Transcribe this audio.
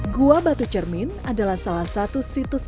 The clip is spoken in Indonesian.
gua batu cermin adalah salah satu sebuah kawasan yang terkenal di pulau bajo